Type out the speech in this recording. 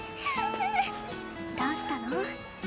どうしたの？